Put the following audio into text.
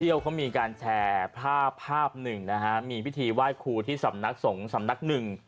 เขามีการแชร์ภาพภาพหนึ่งนะฮะมีพิธีไหว้ครูที่สำนักสงฆ์สำนักหนึ่ง